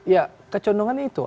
ya kecondongannya itu